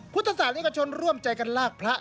พุทธศาลีกว่าชนร่วมใจการลากพระ